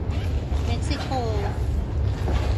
เม็กซิโก